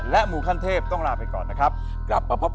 และหมูคันเทพต้องลาไปก่อนนะครับ